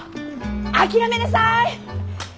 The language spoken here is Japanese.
諦めなさい！